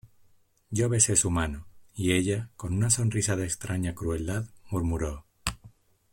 yo besé su mano, y ella , con una sonrisa de extraña crueldad , murmuró: